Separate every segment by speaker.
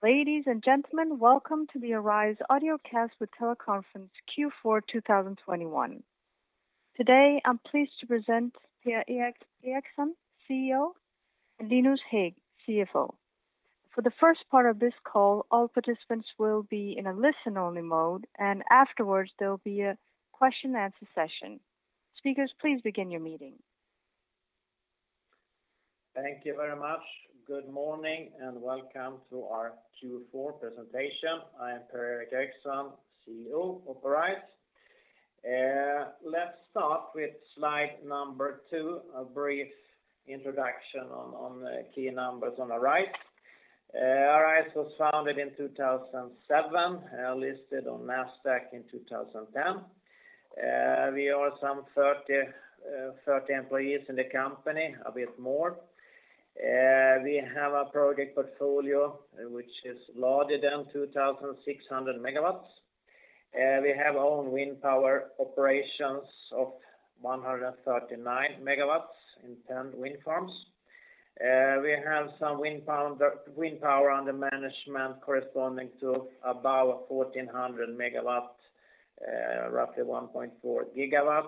Speaker 1: Ladies and gentlemen, welcome to the Arise Audio Cast with Teleconference Q4 2021. Today, I'm pleased to present Per-Erik Eriksson, CEO, and Linus Hägg, CFO. For the first part of this call, all participants will be in a listen-only mode, and afterwards, there will be a question and answer session. Speakers, please begin your meeting.
Speaker 2: Thank you very much. Good morning, and welcome to our Q4 presentation. I am Per-Erik Eriksson, CEO of Arise. Let's start with slide number two, a brief introduction on the key numbers on the right. Arise was founded in 2007, listed on Nasdaq in 2010. We are some 30 employees in the company, a bit more. We have a project portfolio which is larger than 2,600 MW. We have own wind power operations of 139 MW in 10 wind farms. We have some wind power under management corresponding to about 1,400 MW, roughly 1.4 GW.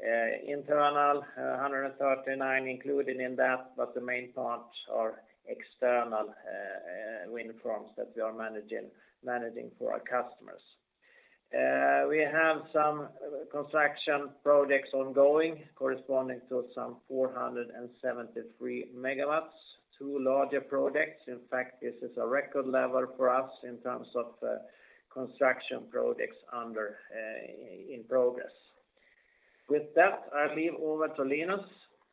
Speaker 2: Internal, 139 included in that, but the main parts are external wind farms that we are managing for our customers. We have some construction projects ongoing corresponding to 473 MW, two larger projects. In fact, this is a record level for us in terms of construction projects in progress. With that, I hand over to Linus.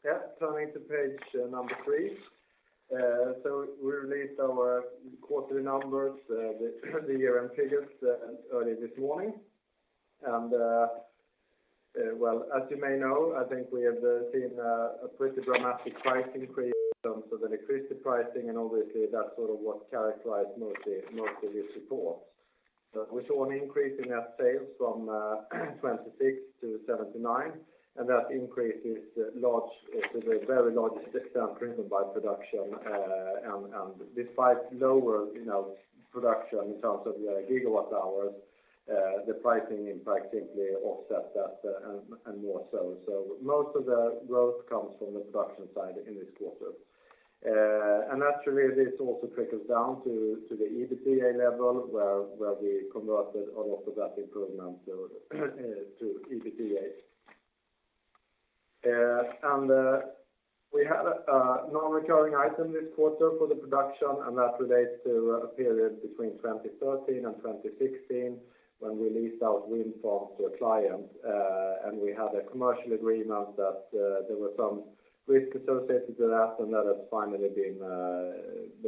Speaker 3: Yeah, turning to page three. We released our quarterly numbers, the year-end figures, early this morning. As you may know, I think we have seen a pretty dramatic price increase in terms of the electricity pricing, and obviously that's sort of what characterized mostly this report. We saw an increase in our sales from 26 to 79, and that increase is large, to a very large extent driven by Production, and despite lower, you know, production in terms of the gigawatt hours, the pricing impact simply offsets that and more so. Most of the growth comes from the Production side in this quarter. Naturally, this also trickles down to the EBITDA level, where we converted a lot of that improvement to EBITDA. We had a non-recurring item this quarter for the Production, and that relates to a period between 2013 and 2016 when we leased out wind farms to a client, and we had a commercial agreement that there were some risk associated to that, and that has finally been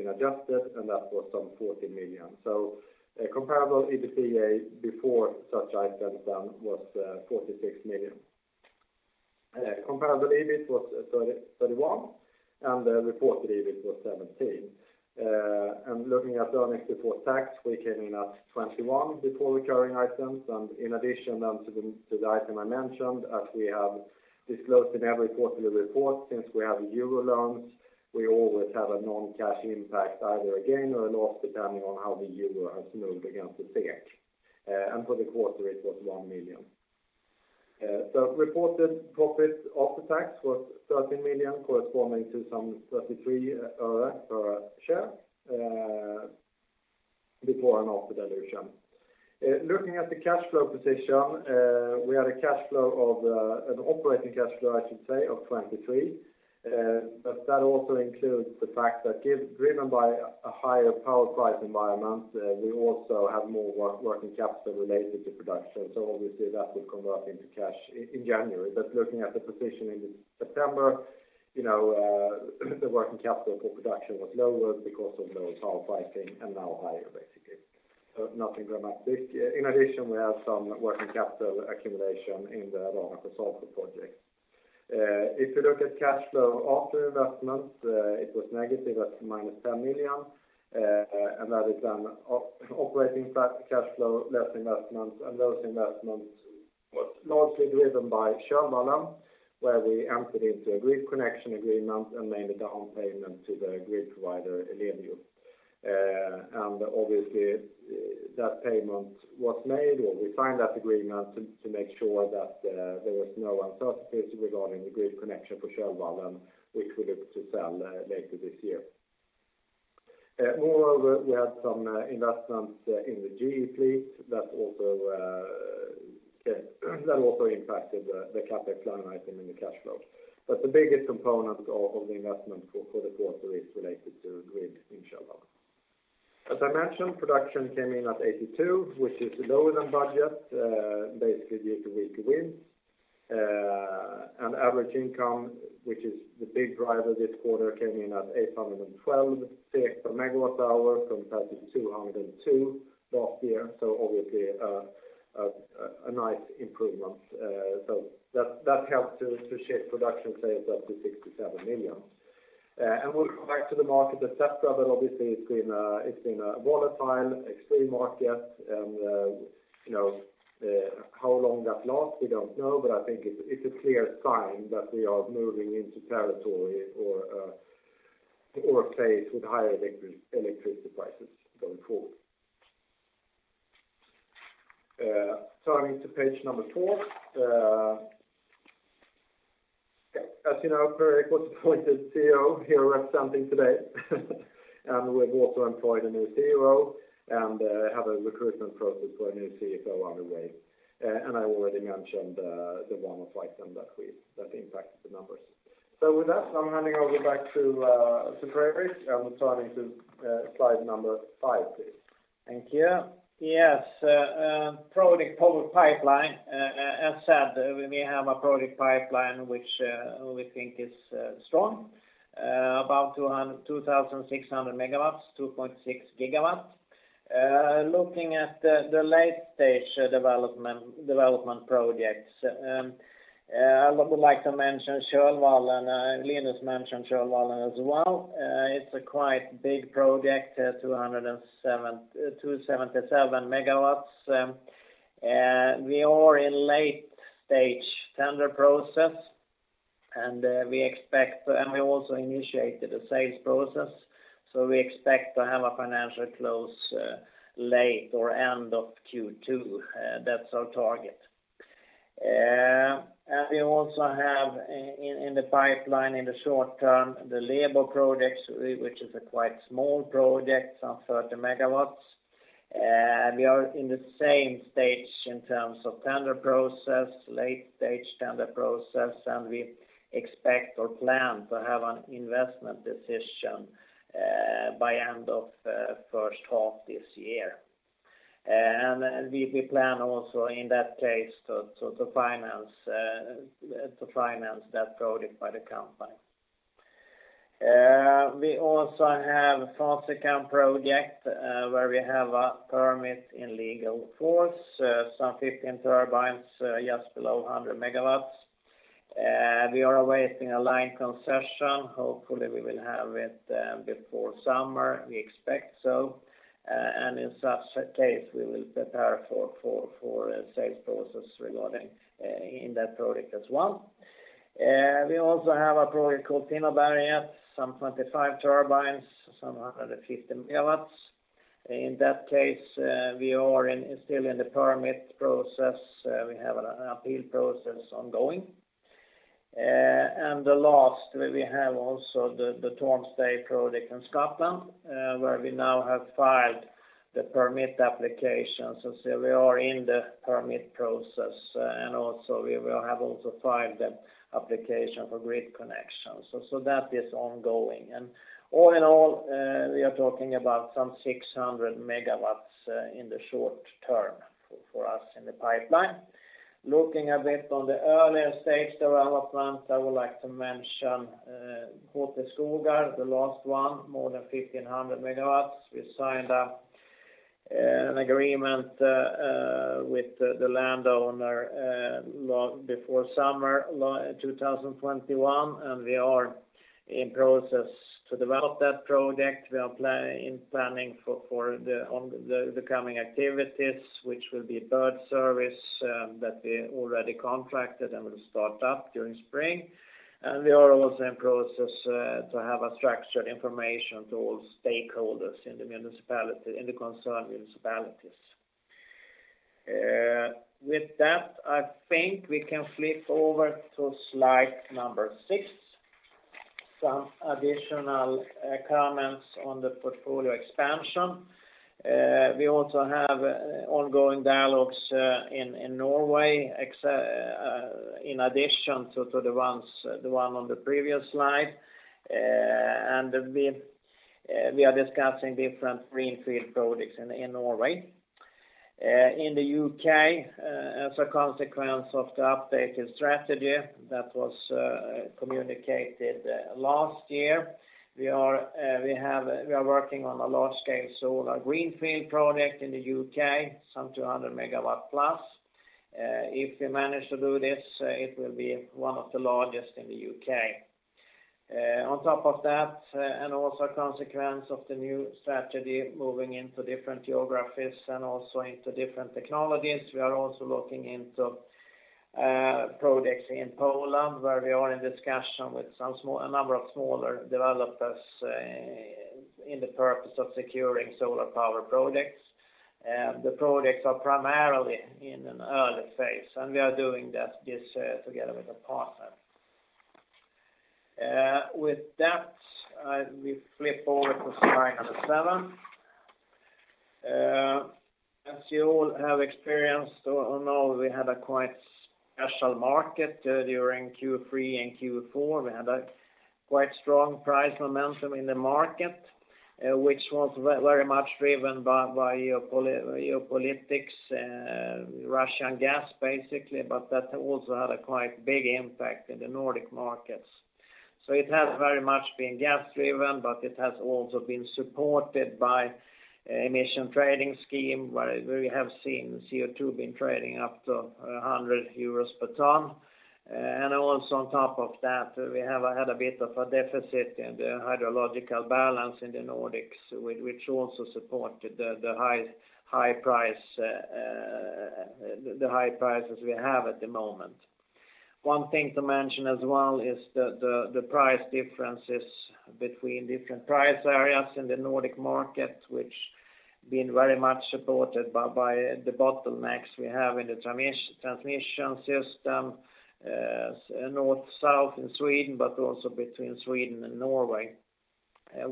Speaker 3: adjusted, and that was 40 million. Comparable EBITDA before such item was 46 million. Comparable EBIT was 31, and the reported EBIT was 17. Looking at earnings before tax, we came in at 21 before recurring items. In addition to the item I mentioned, as we have disclosed in every quarterly report since we have euro loans, we always have a non-cash impact, either a gain or a loss, depending on how the euro has moved against the SEK. For the quarter, it was 1 million. Reported profit after tax was 13 million, corresponding to some 33 öre per share, before and after dilution. Looking at the cash flow position, we had a cash flow of, an operating cash flow, I should say, of 23 million. But that also includes the fact that driven by a higher power price environment, we also have more working capital related to production. Obviously that will convert into cash in January. Looking at the position in September, you know, the working capital for production was lower because of lower power pricing and now higher, basically. Nothing dramatic. In addition, we have some working capital accumulation in the Ravakarsalta project. If you look at cash flow after investment, it was negative at -10 million, and that is an operating cash flow, less investment, and those investments was largely driven by Kölvallen, where we entered into a grid connection agreement and made a down payment to the grid provider, Ellevio. Obviously that payment was made, or we signed that agreement to make sure that there was no uncertainties regarding the grid connection for Kölvallen, which we look to sell later this year. Moreover, we had some investments in the GE fleet that also impacted the CapEx line item in the cash flow. The biggest component of the investment for the quarter is related to grid in Kölvallen. As I mentioned, production came in at 82, which is lower than budget, basically due to weak wind. And average income, which is the big driver this quarter, came in at 812 per MWh compared to 202 last year, so obviously a nice improvement. So that helped to shape production sales up to 67 million. And we'll come back to the market in September, but obviously it's been a volatile, extreme market and you know how long that lasts, we don't know, but I think it's a clear sign that we are moving into territory or a place with higher electricity prices going forward. Turning to page four. As you know, Fredrik was appointed CEO, here representing today. We've also employed a new CEO and have a recruitment process for a new CFO on the way. I already mentioned the one-off item that impacted the numbers. With that, I'm handing over back to Fredrik, and we're turning to slide number five, please.
Speaker 2: Thank you. Yes, project pipeline, as said, we may have a project pipeline which we think is strong. About 2,600 MW, 2.6 GW. Looking at the late-stage development projects, I would like to mention Kölvallen. Linus mentioned Kölvallen as well. It's a quite big project, 277 MW. We are in late-stage tender process, and we also initiated a sales process. We expect to have a financial close late or end of Q2, that's our target. We also have in the pipeline in the short term the Lebo projects, which is a quite small project, some 30 MW. We are in the same stage in terms of tender process, late-stage tender process, and we expect or plan to have an investment decision by end of first half this year. We plan also in that case to finance that project by the company. We also have a Fasikan project, where we have a permit in legal force, some 15 turbines, just below 100 MW. We are awaiting a network concession. Hopefully we will have it before summer, we expect so. In such a case, we will prepare for a sales process regarding in that project as well. We also have a project called Finnöberget, some 25 turbines, some 150 MW. In that case, we are still in the permit process. We have an appeal process ongoing. Lastly, we also have the Tormsdale project in Scotland, where we now have filed the permit application. We are in the permit process, and we will have filed the application for grid connection. That is ongoing. All in all, we are talking about some 600 MW in the short term for us in the pipeline. Looking a bit on the earlier stage development, I would like to mention Höteskogar, the last one, more than 1,500 MW. We signed an agreement with the landowner long before summer 2021, and we are in process to develop that project. We are planning for the coming activities, which will be bird service that we already contracted and will start up during spring. We are also in process to have a structured information to all stakeholders in the municipality, in the concerned municipalities. With that, I think we can flip over to slide number six. Some additional comments on the portfolio expansion. We also have ongoing dialogues in Norway in addition to the one on the previous slide. We are discussing different greenfield projects in Norway. In the U.K., as a consequence of the updated strategy that was communicated last year, we are working on a large-scale solar greenfield project in the U.K., some 200 MW plus. If we manage to do this, it will be one of the largest in the U.K. On top of that, and also a consequence of the new strategy moving into different geographies and also into different technologies, we are also looking into projects in Poland, where we are in discussion with a number of smaller developers in the purpose of securing solar power projects. The projects are primarily in an early phase, and we are doing that together with a partner. With that, we flip over to slide number seven. As you all have experienced or know, we had a quite special market during Q3 and Q4. We had a quite strong price momentum in the market, which was very much driven by geopolitics, Russian gas, basically. That also had a quite big impact in the Nordic markets. It has very much been gas-driven, but it has also been supported by Emissions Trading System, where we have seen CO2 been trading up to 100 euros per ton. Also on top of that, we have had a bit of a deficit in the hydrological balance in the Nordics, which also supported the high prices we have at the moment. One thing to mention as well is the price differences between different price areas in the Nordic market, which been very much supported by the bottlenecks we have in the transmission system north-south in Sweden, but also between Sweden and Norway,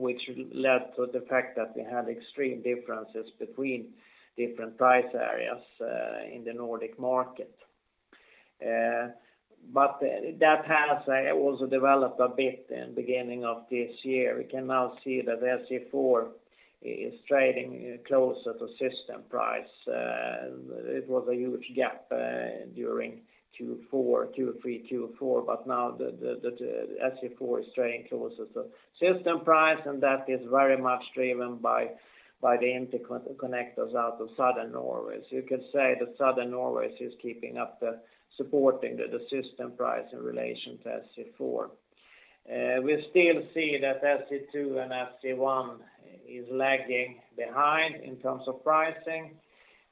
Speaker 2: which led to the fact that we had extreme differences between different price areas in the Nordic market. That has also developed a bit in beginning of this year. We can now see that SE4 is trading closer to system price. It was a huge gap during Q3, Q4, but now the SE4 is trading closer to system price, and that is very much driven by the interconnectors out of southern Norway. You could say that southern Norway is keeping up, supporting the system price in relation to SE4. We still see that SE2 and SE1 is lagging behind in terms of pricing.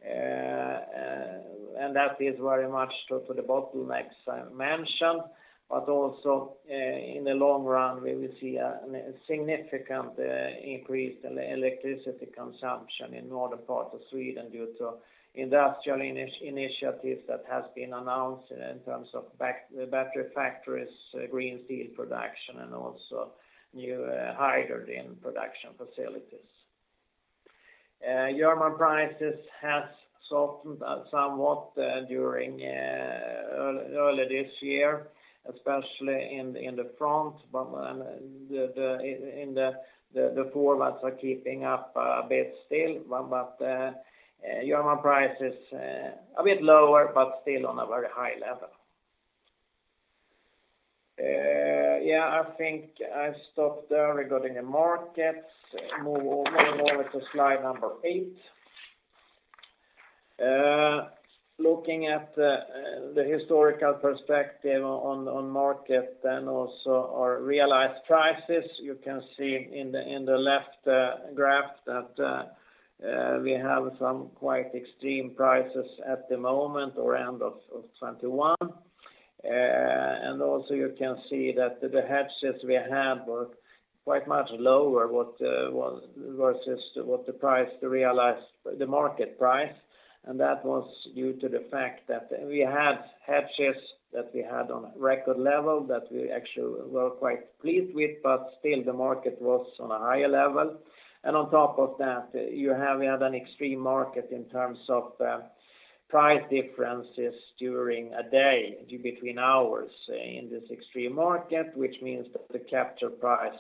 Speaker 2: That is very much due to the bottlenecks I mentioned. Also, in the long run, we will see a significant increase in electricity consumption in northern part of Sweden due to industrial initiatives that has been announced in terms of battery factories, green steel production, and also new hydrogen production facilities. German prices has softened somewhat during earlier this year, especially in the front, but the forwards are keeping up a bit still. German price is a bit lower, but still on a very high level. I think I stop there regarding the markets. Move on to slide number eight. Looking at the historical perspective on market and also our realized prices, you can see in the left graph that we have some quite extreme prices at the moment or end of 2021. Also you can see that the hedges we had were quite much lower what was versus what the price, the realized, the market price. That was due to the fact that we had hedges that we had on a record level that we actually were quite pleased with, but still the market was on a higher level. On top of that, you have had an extreme market in terms of price differences during a day, between hours in this extreme market, which means that the capture price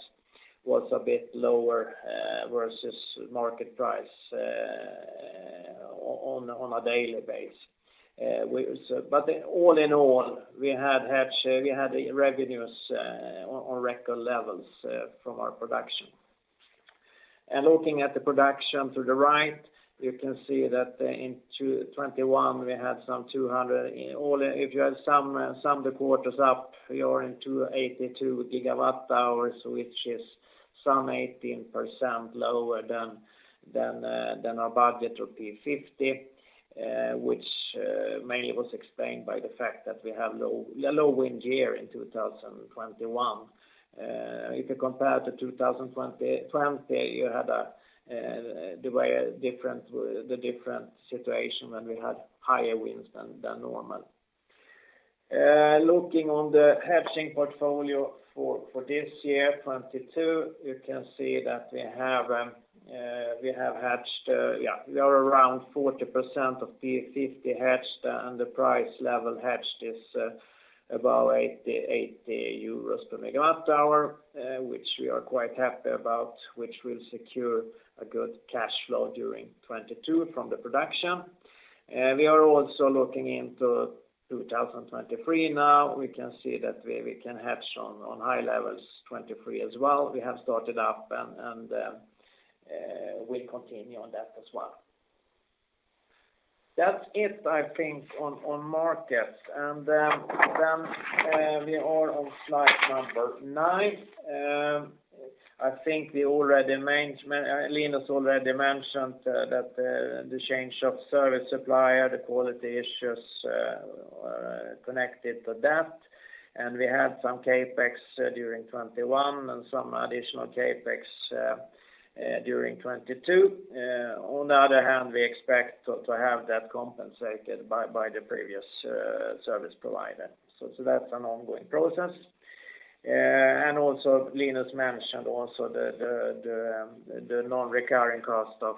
Speaker 2: was a bit lower versus market price on a daily basis. But all in all, we had hedge, we had revenues on record levels from our production. Looking at the Production to the right, you can see that in 2021, if you sum the quarters up, you're in 282 GWh, which is some 18% lower than our budget of P50, which mainly was explained by the fact that we had a low wind year in 2021. If you compare to 2020, you had a very different situation when we had higher winds than normal. Looking on the hedging portfolio for this year, 2022, you can see that we have hedged around 40% of P50, and the price level hedged is about 80 euros per MWh, which we are quite happy about, which will secure a good cash flow during 2022 from the production. We are also looking into 2023 now. We can see that we can hedge on high levels 2023 as well. We have started and we'll continue on that as well. That's it, I think, on markets. Then we are on slide number nine. I think Linus already mentioned that the change of service supplier, the quality issues connected to that. We had some CapEx during 2021 and some additional CapEx during 2022. On the other hand, we expect to have that compensated by the previous service provider. That's an ongoing process. Linus mentioned the non-recurring cost of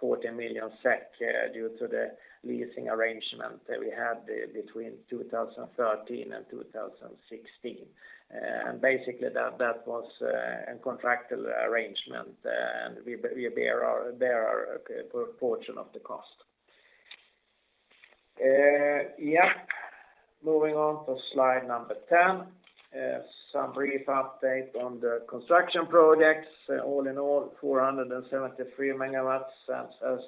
Speaker 2: 40 million SEK due to the leasing arrangement that we had between 2013 and 2016. Basically that was a contractual arrangement and we bear our portion of the cost. Yep. Moving on to slide 10. Some brief update on the construction projects. All in all, 473 MW, as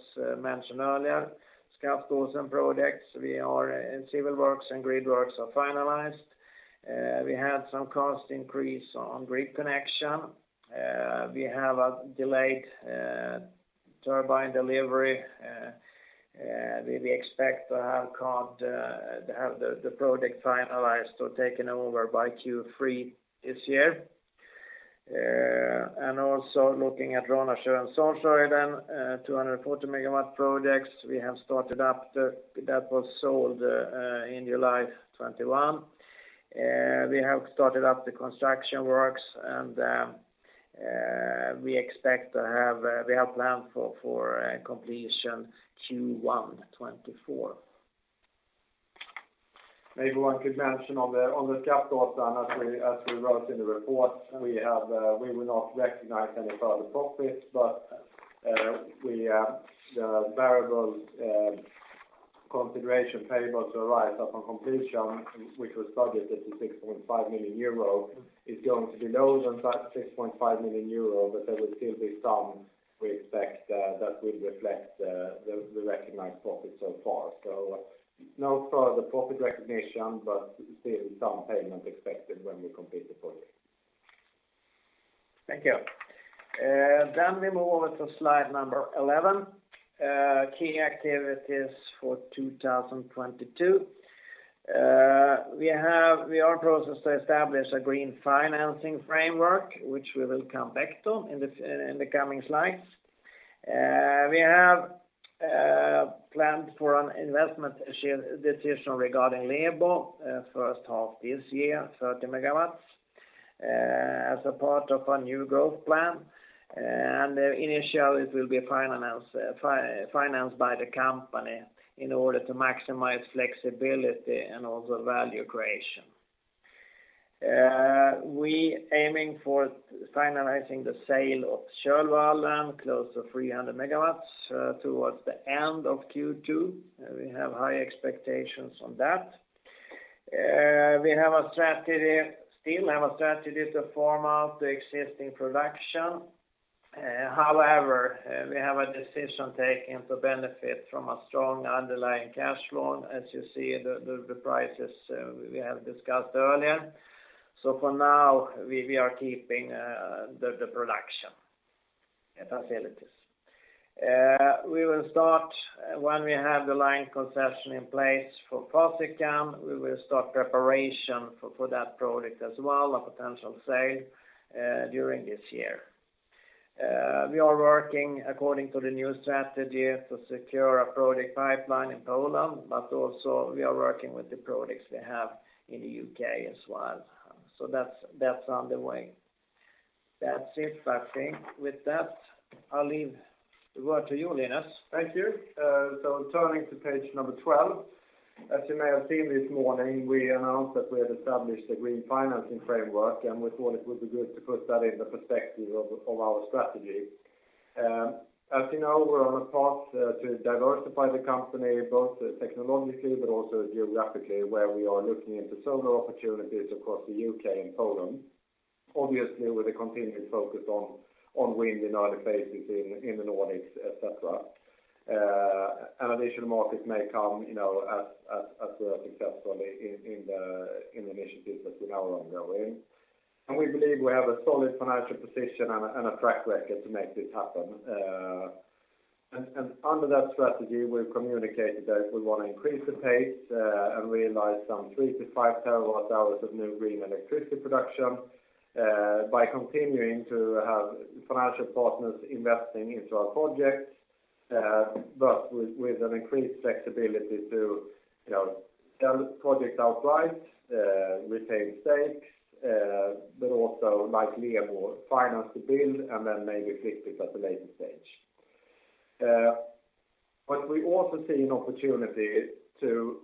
Speaker 2: mentioned earlier. Skaftåsen projects, civil works and grid works are finalized. We had some cost increase on grid connection. We have a delayed turbine delivery. We expect to have the project finalized or taken over by Q3 this year. Looking at Ranasjö- och Salsjöhåjden, 240 MW projects that was sold in July 2021. We have started up the construction works and we have planned for completion Q1 2024.
Speaker 3: Maybe one could mention on the Skaftåsen as we wrote in the report, we will not recognize any further profits, but the variable consideration payable to Arise upon completion, which was targeted to 6.5 million euro, is going to be lower than that 6.5 million euro, but there will still be some we expect that will reflect the recognized profits so far. No further profit recognition, but still some payment expected when we complete the project.
Speaker 2: Thank you. We move over to slide number 11, key activities for 2022. We are proceeding to establish a Green Financing Framework, which we will come back to in the coming slides. We have planned for an investment decision regarding Lebo, first half this year, 30 MW, as a part of our new growth plan. Initially, it will be financed by the company in order to maximize flexibility and also value creation. We are aiming for finalizing the sale of Kölvallen, close to 300 MW, towards the end of Q2. We have high expectations on that. We have a strategy to farm out the existing Production. However, we have a decision-taking to benefit from a strong underlying cash flow, as you see the prices we have discussed earlier. For now, we are keeping the production facilities. We will start when we have the network concession in place for Posickan. We will start preparation for that project as well, a potential sale during this year. We are working according to the new strategy to secure a project pipeline in Poland, but also we are working with the projects we have in the U.K. as well. That's on the way. That's it, I think. With that, I'll leave the word to you, Linus.
Speaker 3: Thank you. Turning to page number twelve. As you may have seen this morning, we announced that we had established a Green Financing Framework, and we thought it would be good to put that in the perspective of our strategy. As you know, we're on a path to diversify the company, both technologically but also geographically, where we are looking into solar opportunities across the U.K. and Poland, obviously, with a continued focus on wind and other phases in the Nordics, et cetera. An additional market may come, you know, as we are successful in the initiatives that we now are ongoing. We believe we have a solid financial position and a track record to make this happen. Under that strategy, we've communicated that we wanna increase the pace and realize some 3-5 terawatt-hours of new green electricity production by continuing to have financial partners investing into our projects but with an increased flexibility to, you know, sell projects outright, retain stakes but also like Lebo, finance the build and then maybe flip it at a later stage. We also see an opportunity to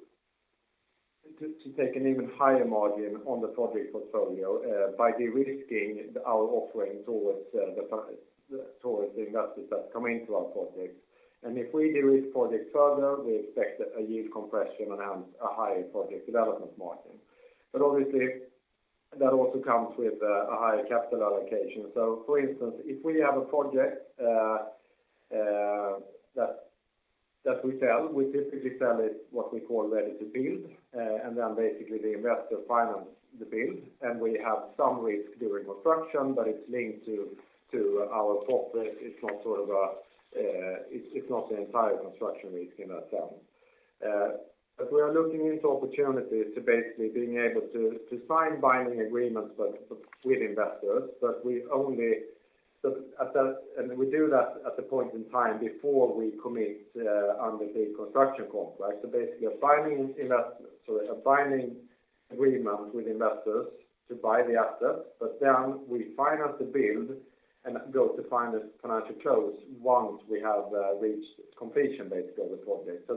Speaker 3: take an even higher margin on the project portfolio by de-risking our offering towards the investors that come into our projects. If we de-risk projects further, we expect a yield compression and a higher project development margin. Obviously, that also comes with a higher capital allocation. For instance, if we have a project that we sell, we typically sell it what we call ready to build, and then basically the investor finance the build, and we have some risk during construction, but it's linked to our profit. It's not sort of a, it's not the entire construction risk in a sense.. We are looking into opportunities to basically being able to sign binding agreements with investors, but we only we do that at the point in time before we commit under the construction contract. Basically, a binding agreement with investors to buy the assets, but then we finance the build and go to financial close once we have reached completion, basically, of the project.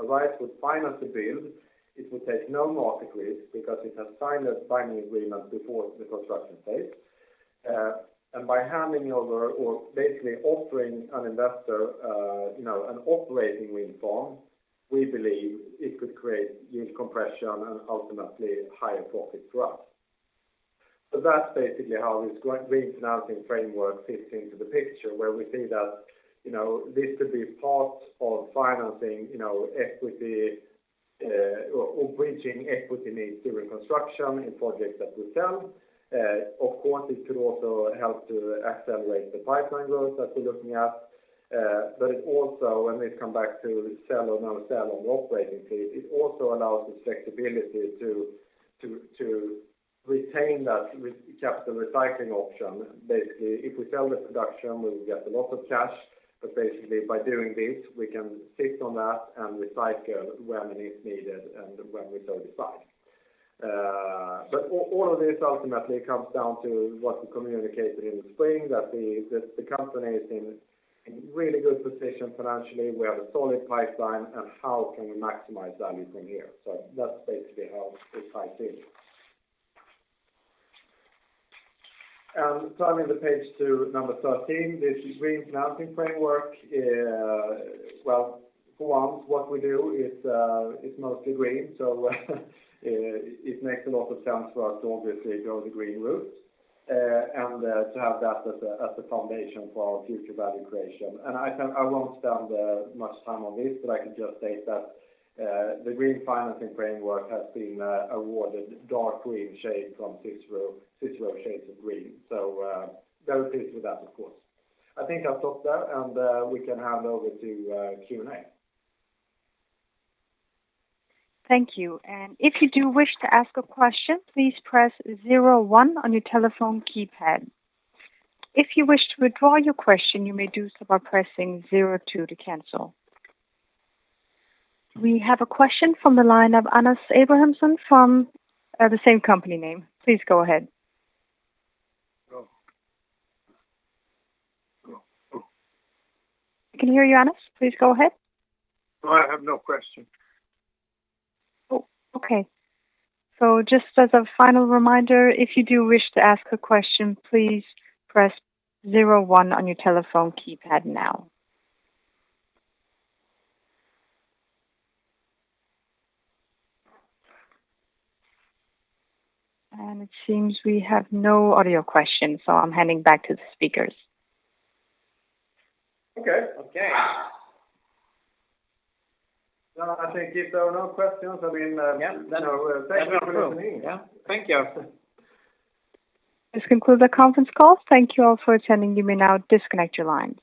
Speaker 3: Arise would finance the build. It would take no more decrees because it has signed a binding agreement before the construction phase. By handing over or basically offering an investor, you know, an operating wind farm, we believe it could create yield compression and ultimately higher profit for us. That's basically how this Green Financing Framework fits into the picture where we see that, you know, this could be part of financing, you know, equity, or bridging equity needs during construction in projects that we sell. Of course, it could also help to accelerate the pipeline growth that we're looking at. It also, when we come back to sell or not sell on the operating fleet, it also allows us flexibility to retain that capital recycling option. Basically, if we sell this production, we will get a lot of cash. Basically by doing this, we can sit on that and recycle when it is needed and when we so decide. All of this ultimately comes down to what we communicated in the spring that the company is in really good position financially. We have a solid pipeline and how can we maximize value from here. That's basically how it ties in. Turning the page to number 13, this Green Financing Framework, well, for once, what we do is mostly green, so it makes a lot of sense for us to obviously go the green route, and to have that as a foundation for our future value creation. I can I won't spend much time on this, but I can just state that the Green Financing Framework has been awarded dark green shade from Cicero Shades of Green. Very pleased with that, of course. I think I'll stop there, and we can hand over to Q&A.
Speaker 1: Thank you. If you do wish to ask a question, please press zero one on your telephone keypad. If you wish to withdraw your question, you may do so by pressing zero two to cancel. We have a question from the line of Anas Abrahamson from the same company name. Please go ahead. Can you hear me, Anas? Please go ahead.
Speaker 4: No, I have no question.
Speaker 1: Okay. Just as a final reminder, if you do wish to ask a question, please press zero one on your telephone keypad now. It seems we have no audio questions, so I'm handing back to the speakers.
Speaker 3: Okay. Now, I think if there are no questions, I mean, you know, thank you for listening. Yeah. Thank you.
Speaker 1: This concludes the conference call. Thank you all for attending. You may now disconnect your lines.